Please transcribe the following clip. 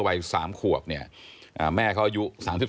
วัย๓ขวบแม่เขาอายุ๓๔